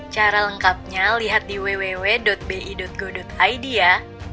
cara lengkapnya lihat di www bi go id ya